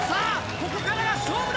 ここからが勝負だ！